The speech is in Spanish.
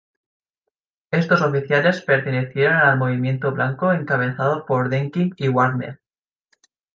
Estos oficiales pertenecieron al Movimiento Blanco encabezado por Denikin y Wrangel.